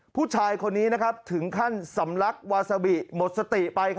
ผู้ชายคนนี้ถึงขั้นสำลักวาซาบิหมดสติไป